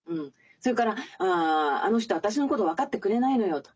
それから「あの人私のこと分かってくれないのよ」